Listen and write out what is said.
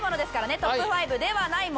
トップ５ではないもの。